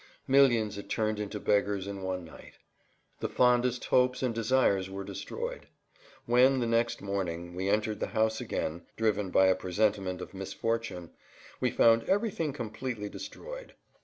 Millions it turned into beggars in one night; the fondest hopes and desires were destroyed. When, the next morning, we entered the house again, driven by a presentiment of misfortune, we found everything completely destroyed.